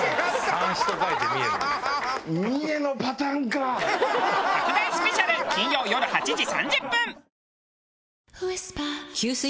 拡大スペシャル金曜よる８時３０分！